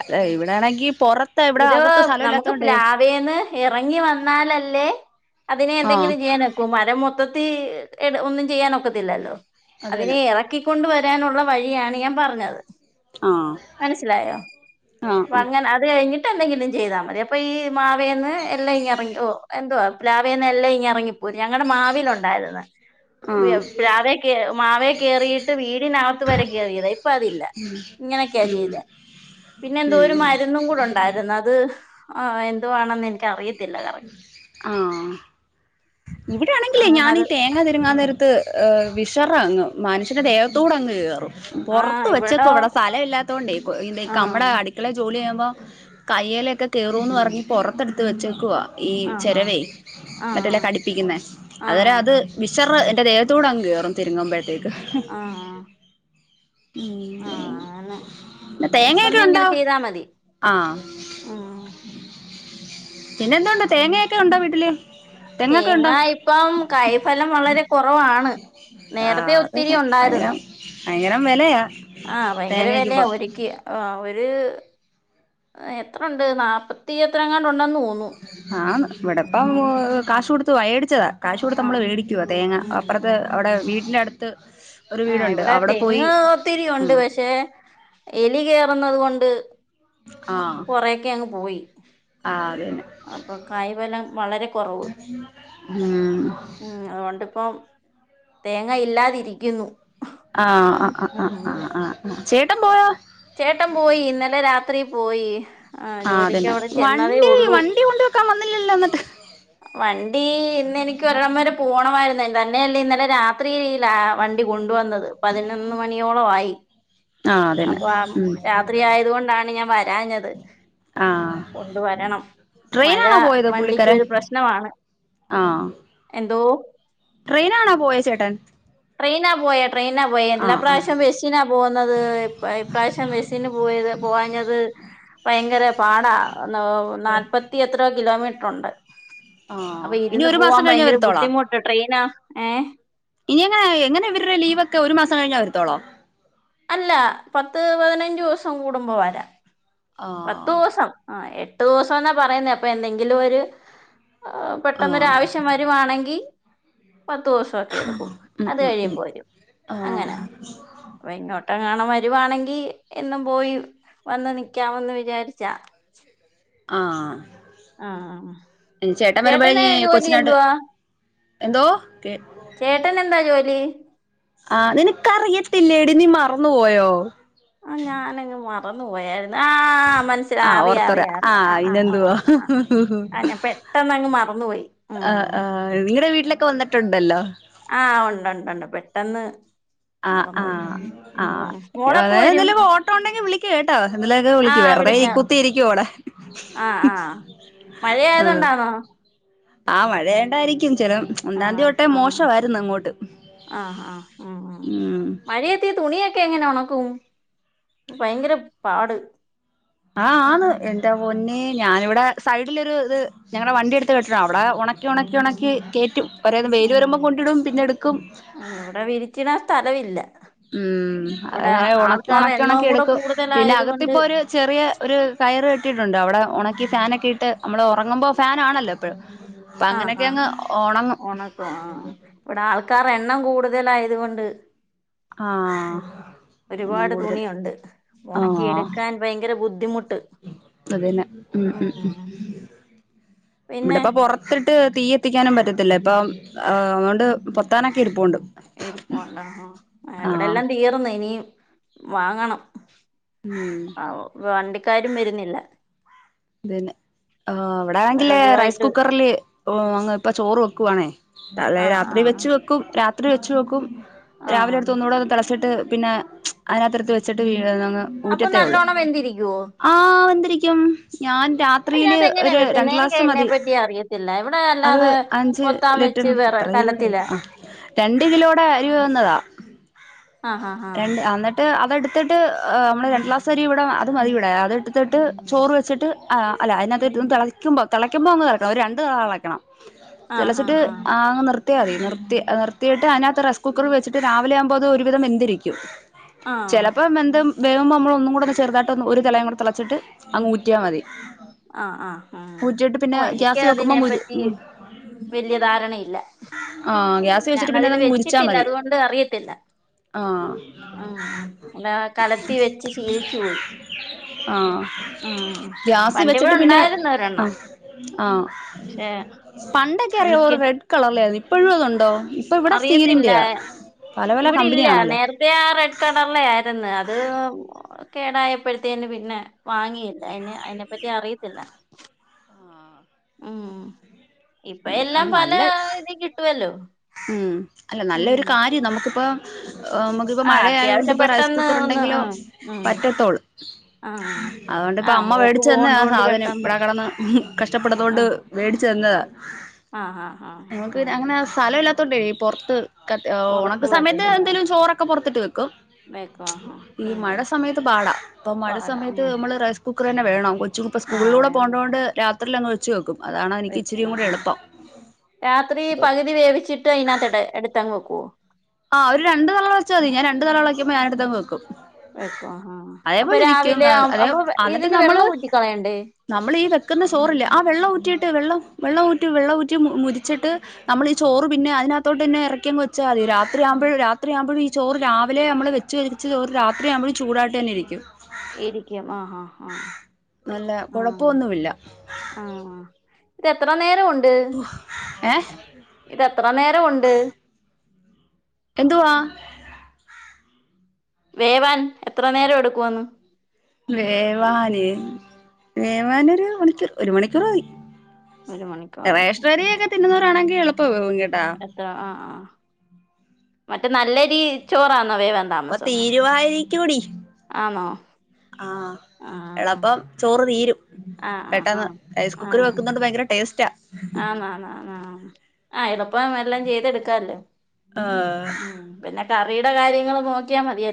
അല്ല ഇവിടാണെങ്കി പുറത്തെ ഇവിടെ ഇത് അകത്തു സ്ഥലല്ല നമുക്ക് പ്ലാവേന്ന് ഇറങ്ങി വന്നാലല്ലേ അതിനെ ആഹ് എന്തെങ്കിലും ചെയനൊക്കൂ മരം മൊത് ത്തത്തി ഒന്നും ചെയ്യാനൊക്കത്തില്ലല്ലോ അത് അതിനെ തന്നെ ഇറക്കി പൊ കൊണ്ടുവരാനുള്ള വഴിയാണ് ഞാൻ പറഞ്ഞത്. ആഹ് മനസ്സിലായോ ആഹ് അപ്പങ്ങനെ അത് കഴിഞ്ഞ് ട്ട എന്തെങ്കിലും ചെയ്താൽ മതി അപ്പൊ ഈ മാവേന്ന് എല്ലാം ഇങ്ങ ഇറങ്ങി ഓ എന്തുവാ പ്ലാവേന്ന് എല്ലാം ഇറങ്ങി ഞങ്ങടെ മാവിലുണ്ടായിര്ന്ന്. ആഹ് പ്ലാവേ മാവേ കേറിയിട്ട് വീടിന്റെ അകത്ത് വരെ കയറിയതാ ഇപ്പോ അതില്ല ഇങ്ങനൊക്കെയാ ഉം ചെയ്തെ പിന്നെ എന്തോ ഒരു ഉം മരുന്നും കൂടെ ഉണ്ടായിരുന്നു അത് ആ എന്തുവേണന്ന് എ ആഹ് - ഇവിടെയാണെങ്കിലെ അങ്ങനെ ഞാനീ അത് തേങ്ങ തിരുങ്ങാൻ നേരത്ത്- വിശറാങ്ങ് മനുഷന്റെ ദേഹത്തൂടങ്ങ് കേറും- ആഹ് പൊറത്ത് ഇവിടോ വെച്ചേക്കുവ ഇവിടെ സ്ഥലം ഇല്ലാത്തോണ്ടേ നമ്മുടെ ആഹ് അടുക്കളേ ജോലി ചെയ്യാ മ്പം കയ്യേലൊക്കെ കേറൂന്ന് പറഞ്ഞ് പൊറത്തെടുത്ത് വെച്ചേക്കുവാ- ഈ ആഹ് ആഹ് ചെരവേ മറ്റേല്ല ആഹ് കടി പ്പിക്കുന്നേ അതുവരെ ആഹ് അത് വിശർ എന്റെ ദേഹത്തോട് അങ് കേറും തിരുങ്ങുമ്പഴ്ത്തേക്ക്- ആഹ് ആഹ് - ആഹ് അങ്ങനെ- പിന്നെ തേങ്ങയൊക്കെ വിശറിനെ ഉണ്ടോ ഇങ്ങനെ ചെയ്താ മതി - ആഹ് പിന്നെ എന്തോണ്ട് തേങ്ങയൊക്കെ ഒണ്ടോ വീട്ടില് - തേങ്ങായിപ്പം കായ് ഫലം വളരെ കൊറവാണ്- നേരത്തെ ആഹ് അത് ഒത്തിരി ഭയങ്കര ഒണ്ടാര്ന്ന് ഭയങ്കരം വിലയാ ആഹ് ഭയങ്കര വെലയാ തേങ്ങക്കിപ്പം ഒരിക്ക് ആഹ് ഒര് അത് എത്രൊണ്ട് നപ്പത്തി എത്രങ്ങാണ്ട് ഒണ്ടെന്നു തോന്നുന്നു- ആഹ് ഇവിടെപ്പം ആഹ് കാശ് കൊടുത്തു വേടിച്ചതാ- കാശ് കൊടുത്ത് നമ്മൾ ആഹ് മേടിക്കുവ തേങ്ങ ഉം അപ്പറത്ത് അവിടെ വീടിൻ്റെ അടുത്ത്- ഒരു ആഹ് വീടുണ്ട് ഇവിടെ അവിടെ പോയി തെങ്ങ് ഒത്തിരി ഒണ്ട് ഉം പക്ഷേ എലി കേറ് റ്ന്നത് കൊണ്ട് ആഹ് കൊറെയെക്കെ അങ്ങ് പോയി- ആഹ് അതന്നെ അപ്പം കായ്ഫലം വളരെ കൊറവ് ഉം മ് അ ത്കൊണ്ട് ഇപ്പം തേങ്ങ ഇല്ലാതിരിക്കുന്നു- ആഹ് ആഹ് ഉം ആഹ് ആഹ് ചേട്ടൻ പോയൊ? ചേട്ടൻ പോയി ഇന്നലെ രാത്രി പോയി- ആ ആഹ് ജോലിക്ക് അതന്നെ അവിടെ ചെന്നതേ വണ്ടി ഉള്ളൂ വണ്ടി കൊണ്ട് വെക്കാൻ വന്നില്ലല്ലോ എന്നിട്ട്- വണ്ടി ഇന്ന് എനിക്ക് ഒരിടം വരെ പോണമാരുന്നു തന്നെല്ല ഇന്നലെ രാത്രി- ലാവണ്ടി കൊണ്ടുവന്നത് പതിനൊന്ന് മണിയോളം ആയി ആഹ് അ അതന്നെ വാം ഉം രാത്രി ആയത് കൊണ്ടാണ് ഞാൻ വരാഞ്ഞത് ആഹ് കൊണ്ടുവരണം മഴ ട്രെയിനാണോ പോയത് പുള്ളിക്കാരൻ വണ്ടിക്കൊരു പ്രശ്നമാണ് ആഹ് എന്തോ ട്രെയിനാണോ പോയേ ചേട്ടൻ ട്രെയിനാ പോയേ ട്രെയിനാ പോയെ എല്ലാ ആഹ് ആഹ് പ്രാവശ്യം ബസ്സിനാണ് പോകുന്നത് ഇ ഇഈ പ്രാവശ്യം ബസ്സിന് പോയത് പോവാഞ്ഞത് ഭയങ്കര പാടാ നാൽപ്പത്തി എത്രയോ കിലോമീറ്റർ ഉണ്ട് ആഹ് അപ്പൊ ഇനി ഇരുന്ന് ഒരു പോവാൻ മാസം കഴിഞ്ഞേ ഭയങ്കര വരത്തോളോ ബുദ്ധിമുട്ട് ട്രെയിനാ ഏ ഇനി എങ്ങനെ എങ്ങനെ ഇവരുടെ ലീവ് ഒക്കെ ഒരു മാസം കഴിഞ്ഞ വരുത്തോളോ? അല്ല പത്ത് പതിനഞ്ച് ദിവസം കൂടുമ്പോ വരാം ആഹ് പത്തൂസം ആ എട്ടൂസംന്നാ പറയുന്നേ അപ്പൊ എന്തെങ്കിലും ഒരു ആഹ് പെട്ടെന്നൊരാവശ്യം വരുവാണെങ്കിൽ പത്തൂസംക്കെ എടുക്കും ഉം അത് ഉം ഉം കഴിയുമ്പോ വരും അങ്ങനെ ആഹ് അപ്പൊ ഇങ്ങോട്ടെങ്ങാണം വരുവാണെങ്കി എന്നും പോയി വന്ന് നിക്കാമന്ന് വിചാരിച്ചാ ആഹ് ആഹ ആ ഇനി ചേട്ടൻ വരുമ്പോഴ കൊച്ചിനാട്ട് എന്തോ [unintelligible] ചേട്ടന് എന്താ ജോലി ആ നിനക്ക് അറിയത്തില്ലേടി നീ മറന്നു പോയോ ഞാനങ്ങ് മറന്നു പോയാരുന്നു ആ ആഹ് മനസ്സിലായി ആ ഓർത്തോരാ അറിയാം അറിയാം ആഹ് അറിയാം അയിനെന്തുവാ അറിയാം ആ ഞാൻ പെട്ടെന്ന് അങ്ങ് മറന്നു പോയി ആ ആ നിങ്ങടെ വീട്ടിലൊക്കെ വന്നിട്ടുണ്ടല്ലോ ആ ഒണ്ടുണ്ടുണ്ട് പെട്ടെന്ന് ആ ആ മറന്നുപോയി ആ ഉം മോളെപ്പോ വരും ഏതെലും ഓട്ടോ ഒണ്ടെങ്കി വിളിക്ക് കേട്ടോ എന്തേലു ഒക്കെ വിളിക്ക് ആഹ് വെറുതെ ഈ വിളിക്കാം കുത്തിയിരിക്കുവാ ഇവിടെ മഴ ആയത് കൊണ്ടാണോ? ആ മഴയേണ്ടായിരിക്കും. ചെല ഒന്നാന്തി തെട്ടേ മോശമായിരുന്നു അങ്ങോട്ട്. ആ ആ ഉംഉം ഉം മഴയത്തിതുണിയ ക്കെഎങ്ങനെ ഒണക്കും? ഭയങ്കര പാട്. ആ ആന്ന് എന്റെ പൊന്നേ ഞാനിവിടെ സൈഡിലൊരു ഇത് ഞങ്ങടെ വണ്ടി എടുത്ത് കെട്ടി അവിടെ ണക്കി ണക്കി ണക്കി കേറ്റും ഓരോന്ന്. വെയില് ഉം വരുമ്പോ കൊണ്ടിടും പിന്നെ എടുക്കും വെള്ളവില്ല. ഉം. അങ്ങനെ ഒണക്കി ഒണക്കി എണ്ണവും ഒണക്കി കൂടെ എടുക്കും. പിന്നെ കൂടുതലായത് കൊണ്ട് അകത്തിപ്പൊ ഒരു ചെറിയ ഒരു കയറ് കെട്ടിട്ടുണ്ട് അവിടെ ഉണക്കി ഫാനൊക്കെ ഇട്ട് നമ്മള് ഉറങ്ങുമ്പോ ഫാനാണല്ലോ ഇപ്പോഴും. ആ ആഉണക്കും ആ ഇവിടെ ആൾക്ക ക്കാർ എണ്ണം കൂടുതലായത് കൊണ്ട് ആഹ് എണ്ണം ഒരുപാട് കൂടുതൽ തുണിയുണ്ട്. ഉണക്കി ആഹ് എടുക്കാൻ ഭയങ്കര ബുദ്ധി അതന്നെ ഉം ഉം ഉം ഉം പിന്നെ ഇവിടിപ്പം പുറത്തി ഇട്ട് തീ കത്തിക്കാനും പറ്റത്തില്ല. ഇപ്പംഅതുകൊണ്ട് പൊത്താനൊക്കെ ഇരുപ്പുണ്ട്. ഇരിപ്പോണ്ടോ ആ എവിടെ ആഹ് എല്ലാം തീർന്ന് ഇനി വാങ്ങണം. ഉം ആ വണ്ടിക്കാരും വരുന്നില്ല. തന്നെ. അവിടെ ആണെങ്കില് റൈസ് വിറകുവായിട്ട് കുക്കറില് അങ്ങ് ഇപ്പ ചോറ് വെക്കുവാണേ. ആഹ് രാത്രി ആഹ് വെച്ച് വെക്കും രാത്രി വെച്ച വെക്കും രാവിലെ ആഹ് എടുത്ത് ഒന്നൂടെ തിള വെച്ചിട്ട് പിന്നെ അതിനകത്ത് എടുത്ത് വെച്ചിട്ട് വീ ഏ അപ്പൊ ഊറ്റത്തേ ഉള്ളു. നല്ലോണം വെന്തിരിക്കുവോ ആ വെന്തിരിക്കും. ഞാൻ രാത്രിയില് അതിനകത്ത് എങ്ങനെയാ ഒരു വെക്കുന്നെ രണ്ട് എനിക്ക് ക്ലാസ് അതിനെ മതി. പറ്റി അറിയത്തില്ല ഇവിടെ അത് അല്ലാതെ അഞ്ച് പൊത്താൻ ലിറ്റ വെച്ച് വിറ കലത്തില രണ്ട് കിലോടെ അരിവേവുന്നതാ. ആഹ് ആഹ് രണ്ട് അന്നിട്ട് അതെടുത്തിട്ട് നമ്മള് രണ്ട് ഗ്ലാസ് അരി ഇവിടെ അത് മതി ഇവിടെ അതെടുത്തിട്ട് ചോറ് വ വെച്ചിട്ട് അതിനകത്തിട്ട് തിളക്കുമ്പോ തിളക്കുമ്പോ അങ്ങ് ഇറക്കണം. ഒരു രണ്ട് തിള തിളക്കണം. ആഹ് തിളച്ചിട്ട് ആഹ് ആഹ് ആ നി നിർത്തിയാ മതി നിർത്തി നിർത്തിട്ട് അതിനകത്ത് റൈസ് കുക്കറിൽ വെച്ചിട്ട് രാവിലെ ആവുമ്പോ ഒരുവിധം വെന്തിരിക്കും. ആഹ് ചിലപ്പം വെന്ത് വേവുമ്പോ നമ്മള് ഒന്നും കൂടെ ഒന്ന് ചെറുതാട്ട് ഒന്ന് ഒരു തിളയു കൂടെ തിളച്ചിട്ട് അങ്ഊ റ്റിയാമതി. ഓ എനിക്ക് ഗ്യാസ് വെക്കുമ്പോൾ അതിനെ മുരി പറ്റി വല്യ ധാരണയില്ല. ആ ഗ്യാസ് വെച്ചിട്ട് പിന്നെ ഞാനതില് അതങ്ങ് മുരിച്ചാൽ വെച്ചിട്ടില്ല മതി അതുകൊണ്ട് അറിയത്തില്ല. ആ ആ കലത്തി വെച്ച് ശീലിച്ചു പോയി. ആ ഉം ഗ്യാ- പണ്ടിവിടെ വച്ചിട്ട് പിന്നെ ഉണ്ടായിരുന്നു ആ ഒരെണ്ണം ആ പക്ഷെ പണ്ടൊക്കെ അറിയോ എനിക്ക് റെഡ് കളറിലായിരുന്നു ഇപ്പോഴും അതുണ്ടോ? ഇപ്പൊ ഇവിടെ സ്റ്റീലന്റെയാ. ഇവിടില്ല നേരത്തെ ആ റെഡ് കളറിന്റെ ആയിരുന്നു അത് കേടായപ്പോഴത്തേേന് പിന്നെ വാങ്ങിയില്ല. അന് അതിനെപ്പറ്റി അറിയത്തില്ല. ഉം. ഇപ്പ എല്ലാം പല നല്ല ഇതി കിട്ടുവല്ലോ? ഉം ഉം. നമുക്കിപ്പ ആ മഴയായ കൊണ്ട് അത്യാവശ്യം ഇപ്പ റൈസ് പെട്ടെന്ന് കുക്കർ ഒന്ന് ആ ഉണ്ടെങ്കിലോ ഉം പറ്റത്തോളൂ. ആ അതുകൊണ്ട് ആ ഇപ്പഅമ്മ മോക്ക് മേടിച്ചു തന്നെ പോകണ്ടോണ്ട് സാധനം. പെട്ടെന്ന് ഇവിടെകിടന്ന് ആ കഷ്ടപ്പെടതൊണ്ട് മേടി ച്ച് തന്നതാ. ആ ആ ആ ഉം. ത്തണ്ടേ പുറത്ത് ക പുറത്ത് ഉണക്ക് സമയത്ത് പറ്റത്തില്ല എന്തേലും ചോറൊക്കെ പുറത്തിട്ട് വെക്കും. വെക്കും ആ ആ ഈ ഉം മഴ സമയത്ത് പാടാ. ഇപ്പൊ മഴ പാടാ സമയത്ത് ഉം നമ്മള് റൈസ് കുക്കറ് തന്നെ വേണം. കൊച്ചിനിപ്പം ആ സ്കൂളിലൂടെ വേണം പോണ്ടകൊണ്ട് രാത്രിൽ അങ്ങ് വെച്ച് വെക്കും. അതാണ് എനിക്ക് വെച്ച ഇച്ചിരിയും കൂടെ എളുപ്പം രാത്രി പകുതി വേവിച്ചിട്ട് അതിനതിനകത്ത് എട് എടുത്ത് അങ്ങ് വെക്കുവോ? ആ ഒരു രണ്ട് നാളച്ചാ മതി ഞാ രണ്ടണ്ട് തളക്ക്പോ ഞാനടുത്തങ്‌ വെക്കും. വെക്കോ ആ അപ്പൊ അതേപോലെ ഇരിക്കും രാവിലെ അതേ അപ്പൊ എന്നിട്ട് ഇതിന്റെ നമ്മള് വെള്ളം ഊറ്റിക്കളയണ്ടേ. നമ്മൾ ഈ വെക്കുന്ന ചോറില്ലേ ആ വെള്ളം ഊറ്റിയിട്ട് വെള്ളം വെള്ളംഊറ്റി വെള്ള ഊറ്റി മുരിച്ചിട്ട് നമ്മൾ ചോറ് പിന്നെ അതിനകോട്ട്ന്നെ ഇറക്കിവച്ചാ മതി രാത്രി രാത്രയാകുമ്പോഴും രാത്രിയാുമ്പോഴും ഈ ചോറ് രാവിലെ നമ്മള് വെച്ച് വലി ചോറ് രാത്രിയാകുമ്പോഴും ചൂടായിട്ട് തന്നെ ഇരിക്കും. ഇരിക്കും ആഹാ നല്ല കുഴപ്പൊന്നും ഇല്ല. ഇതെത്ര നേര ഒണ്ട് ഏ ഇതെത്ര നേര ഒണ്ട്. എന്തുവാ? വേവാൻ എത്ര നേരം എടുക്കുവന്ന്? വേവാന് വേവാന് ഒരു മണിക്കൂർ ഒരു മണിക്കൂർ മതി ഒരു മണിക്ക വളാകും. ഇരുന്നൂറാണങ്കിൽ എളപ്പംവും എത്ര ആഹ് ആഹ് മറ്റേ നല്ലരി ചോറാണ്. ഇപ്പ തീരുവാരിക്കൂടി. ആന്നോ ആഹ് എളപ്പം ചോറ് തീരും ആഹ് ആഹ് പെട്ടെന്ന് റൈസ് കുക്കർ ആഹ് വെക്കുന്നോണ്ട് ഭയങ്കര ടേസ്റ്റാ ആന്നാന്ന് ആ. ആഹ് എളുപ്പം എല്ലാം ചെയ്തെടുക്കാല്ലേ ആഹ് ഉം പിന്നെ കറി കാര്യങ്ങള് നോക്കിയാ മതിയ.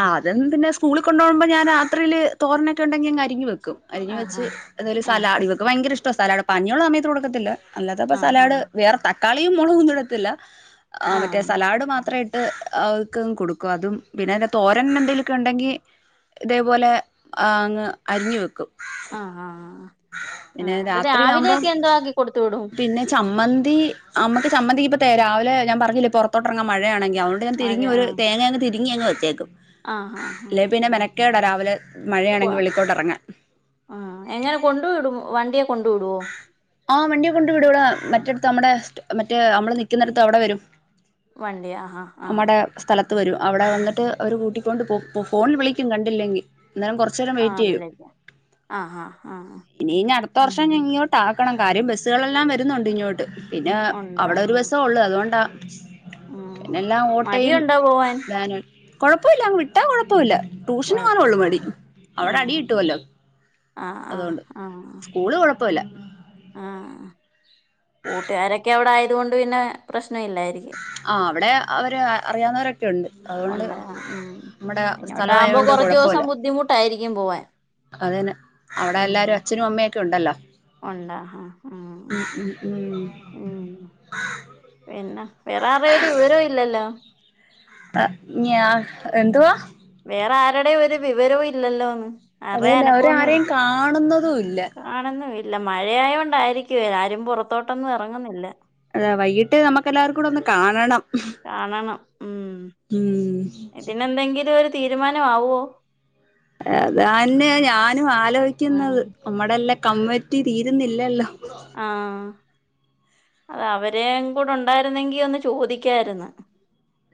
ആഹ് അതന്ന പിന്നെ സ്കൂള കൊണ്ടോവമ്പോ ഞാൻ രാത്രിയില് തോരനൊക്കെണ്ടെങ്കി അങ് അരിഞ് വക്കും. അരിഞ്ഞ ആ ആ വെച്ച് ഏതായാലും ആ സലാഡ് ഇവക്ക് ഭയങ്കര ഇഷ്ട സലാഡ് പഞ്ഞിയുള്ള സമയത്ത് കൊടുക്കത്തില്ല. അല്ലാതെപ്പ ആ സലാഡ് വേറെ തക്കാളിയും മോളെകും ഒന്നും ഇടുത്തില്ല ആ ആ മറ്റേ സലാഡ് മാത്രേ അവർക്ക് കൊടുക്കും. അതും പിന്നെ തോരൻ എന്തേങ്കലൊക്കെ ഉണ്ടെങ്കി ഇതേപോലെ അങ്ങ് അരിഞ്ഞു വെക്കും ആഹ് ആഹ്. പിന്നെ ആഹ് അപ്പൊ രാത്രിയാകുമ്പോം രാവിലെയൊക്കെ എന്തോ ആക്കി കൊടുത്തു വിടും പിന്നെ ചമ്മന്തി അമ്മക്ക് ചമ്മന്തിക്ക്പ്പ തെ രാവിലെ ഞാ പറഞ്ഞില്ലേ പൊറത്തോട്ടെറങ്ങൻ മഴയാണെങ്ക അതുകൊണ്ട് ഞ മഴ തിരിഞ് ഒര് ആഹ് തെങ്ങങ് തിരിങ് വെചെക്കും. ആഹ് ആഹ് ആഹ് ടാ രാവിലെ മഴയാണെങ്കി വെളിക്കോട്ട് എറങ്ങാൻ ആഹ് എങ്ങനെ കൊണ്ടു വിടും വണ്ടിയൊ ആഹ വണ്ടിയെ കൊണ്ട് വിടും മറ്റടുത്ത് നമ്മടെ സ് മറ്റേ നമ്മള് നിക്കുന്നിടത്ത് അവിടെ വരും. വണ്ടി ആ ആഹ് ആഹ്. അത്ത് വരും അവിടെ വന്നിട്ട് അവര് കൂട്ടിക്കൊണ്ട് പോ ഫോൺ വിളിക്കും കണ്ടില്ലെങ്കിൽ എന്നേരം കുറച്ചു നേരം ആഹ് വെയിറ്റ് ചെയ്യും. വിളിക്കാം ആഹ് ആഹ് ആഹ് ഇനിഞ്ഞ അടുത്ത ഉം വർഷം ഇങ്ങോട്ട ക്കണം കാര്യം ബസ്സുകളെല്ലാം വരുന്നുണ്ട് ഇങ്ങോട്ട് പിന്നെ ഉണ്ട് അവിടെ ഒരു ആഹ് ബസ്സ ഉള്ളു അതുകൊണ്ടാ ഉം പിന്നെല്ലാം ഓട്ടയും മടിയുണ്ടോ പോവാൻ കൊഴപ്പമില്ലങ്ങ് വിട്ടാ കൊഴപ്പില്ല ട്യൂഷന് പോവാള്ളു കൊഴപ്പമില്ല മടി അവിടെ അടി ആഹ് കിട്ടുവല്ലോ ആഹ് അതോണ്ട് സ്കൂള് കൊഴപ്പല്ല. ആഹ കൂട്ടുകാരൊക്കെ അവിടെ ആയത കൊണ്ട് പിന്നെ പ്രശ്ന ഇല്ലായിരിക്കും. ആ അവിടെ അവർ അറിയാവുന്നവരൊക്കെണ്ട് അതുകൊണ്ട് ഉണ്ട് ആ, നമ്മുടെ സ്ഥലവായോണ്ട് കുഴ കൊറച്ചൂസം ബുദ്ധിമുട്ടായിരിക്കും പോവൻ. അതന്നെ അവിടെ എല്ലാരും അച്ഛനും അമ്മയൊക്കെ ഉണ്ടല്ലോ. ഒണ്ട ഹ ഉ ഉം ഉം ഉം പിന്ന വേറെ അറരു വിവരോ ഇല്ലല്ലോ ആ ഞാൻ എന്തുവാ വേറെ ആരുടെ ഒരു വിവരവും ഇല്ലല്ലോന്ന്. അറ അതന്നെ അവരെ അനക്കോന്ന ആരെയും കാണുന്നതും ഇല്ല കാണന്ന വ ഇല്ല മഴയയ കൊണ്ടായിരിക്കുവ ആരും പുറത്തോട്ടൊന്നും എ റങ്ങുന്നില്ല അത വൈകിട്ട് നമുക്ക് എല്ലാവർക്കൂടെ ഒന്ന് കാണണം. കാണണം ഉം ഉം ഇതിനെന്തെങ്കിലും ഒരു തീരുമാനം ആവോ അതന്നയ ഞാനും ആ ആലോചിക്കുന്നത് നമ്മടെല്ല കമ്മറ്റി തീരുന്നില്ലല്ലോ ആ അത അവരെം കുടൊണ്ടായിരുന്നെങ്കി ഒന്ന് ചോദിക്കായിരുന്നു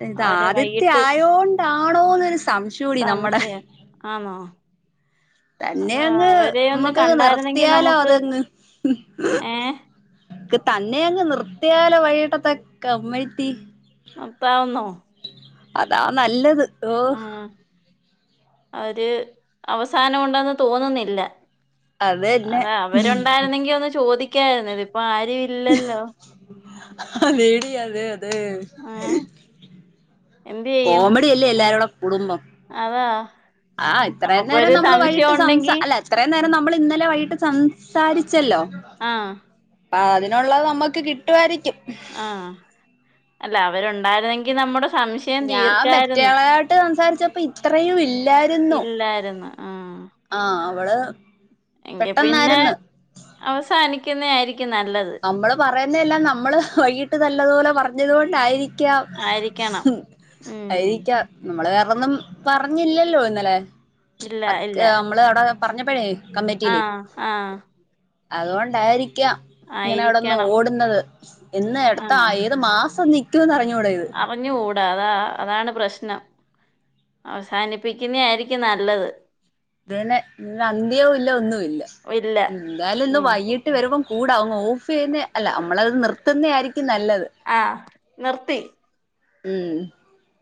ഇത് അവരെ ആദ്യത്തെ വൈകിട്ട് ആയോണ്ടാണോന്നൊരു സംശയം കൂടി നമ്മുടെ സംശയം ആന്നോ തന്നെ അത് അങ്ങ് അവരെ ഒന്ന് നമ്മക്കങ്ങ് കണ്ടായിരുന്നെങ്കി നിർത്തിയാലോ നമുക്ക് അതങ്ങ് ഏ തന്നെ അങ്ങ് നിർത്തിയാലൊ വൈയിട്ടത്തെക്കെ കമ്മറ്റി ർത്താവന്നോ അതാ നല്ലത് ഏ അവര് അവസാനം ഉണ്ടെന്ന് തോന്നുന്നില്ല അതന്നെ അതാ അവരുണ്ടായിരുന്നെങ്കിൽ ഒന്ന് ചോദിക്കായിരുന്നു ഇത് അതേടി അതെ അതെ ഏഹ് എന്ത് ചെയ്യും കോമഡി അല്ലേ ഉം എല്ലാരോട കൂടുംബം അതാ ആഹ് ഇത്രയും നേരം നമുക്കൊരു നമ്മൾ സംശയം വൈകിട്ട് സംസ ഉണ്ടെങ്കി അല്ല എത്രയും നേരം നമ്മൾ ഇന്നലെ വൈകിട്ട് സംസാരിച്ചല്ലോ ആഹ അ അതിനുള്ളത് നമുക്ക് കിട്ടുമായിരിക്കും ആഹ അല്ല അവരൊണ്ടായിരുന്നെങ്കിൽ നമ്മുടെ സംശയം ഞാ തീർക്കായിരുന്നു മറ്റയാളായിട്ട് സംസാരിച്ചപ്പോ ഇത്രയും ഇല്ലാരുന്നു ഇല്ലായിരുന്നു ആ അവള് എങ്ക പിന്നെ പെട്ടെന്നായിരുന്നു അവസാനിക്കുന്ന ആായിരിക്കും നമ്മള് പറയുന്നതെല്ലാം നമ്മള് വൈകീട്ട് നല്ലതുപോലെ പറഞ്ഞത് കൊണ്ടായിരിക്കും ആയിരിക്കണം ഉം ആരിക്ക നമ്മള അതൊന്നും പറഞ്ഞില്ലല്ലോ ഇന്നലെ നമ്മള് അവിടെ പറഞ്ഞപ്പോഴേ കമ്മിറ്റിയില് ആഹ ആഹ അതുകൊണ്ടായിരിക്കാം ഇങ്ങനെ അവിടന്ന് ആയിരിക്കണം ഓടുന്നത് ഇന്ന് എടുത്ത ഏത് മാസം നിക്കക്ക പറഞ്ഞ അവഞ്ഞ ഓട അതാ അതാണ് പ്രശ്നം അവസാനിപ്പിക്കുന്ന ആായിരിക്കും നല്ലത് ഇതെ ഇ അന്ത്യവും ഇല്ല ഒന്നുമ ഇല്ല ഇല്ല എന്തായാലും ഇന്ന് ഉം വൈകിട്ട് വരുമ്പോം കൂടങ് ഓഫ് ചെയ്യുന്നേ അല്ല നമ്മളത് നിർത്തുന്നത ആയിരിക്കും നല്ലത് ആഹ നിർത്തി ഉം